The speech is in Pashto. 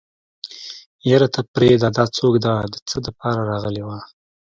يره ته پرېده دا څوک ده د څه دپاره راغلې وه.